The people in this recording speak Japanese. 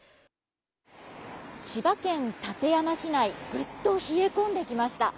千葉県館山市内ぐっと冷え込んできました。